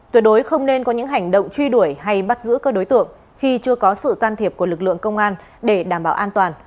tuyệt đối không nên có những hành động truy đuổi hay bắt giữ các đối tượng khi chưa có sự can thiệp của lực lượng công an để đảm bảo an toàn